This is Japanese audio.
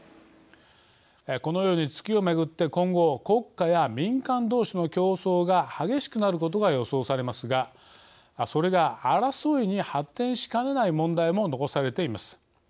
このように月を巡って今後、国家や民間同士の競争が激しくなることが予想されますがそれが争いに発展しかねない問題も残されています。